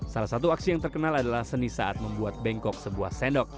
salah satu aksi yang terkenal adalah seni saat membuat bengkok sebuah sendok